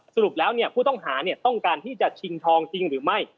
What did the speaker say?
สรุปแล้วผู้ต้องหาต้องการที่จะชิงทองจริงหรือไม่